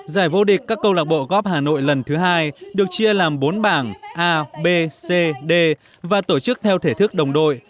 giải vô địch các câu lạc bộ góp hà nội lần thứ hai được chia làm bốn bảng a b c d và tổ chức theo thể thức đồng đội